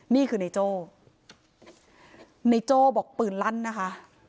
นี่คือในโจ้ในโจ้บอกปืนลั่นนะคะ